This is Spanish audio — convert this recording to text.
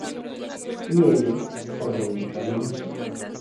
Y ello, por lo dicho al inicio.